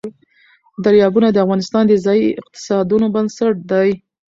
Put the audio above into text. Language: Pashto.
دریابونه د افغانستان د ځایي اقتصادونو بنسټ دی.